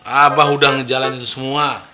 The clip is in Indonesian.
abah udah ngejalanin semua